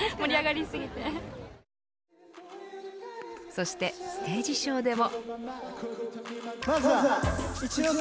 そして、ステージ上でも。